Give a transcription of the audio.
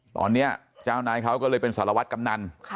ตอนนี้เจ้านายเขาก็เลยเป็นสารวัตรกำนัน